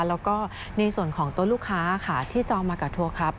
แล้วก็ในส่วนของตัวลูกค้าค่ะที่จองมากับทัวร์ครับ